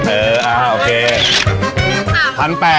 เอออ่าโอเค